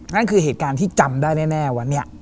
นั่นคือเหตุการณ์ที่จำได้แน่วันนี้